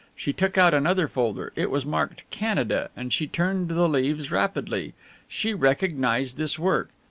She took out another folder. It was marked "Canada," and she turned the leaves rapidly. She recognized this work.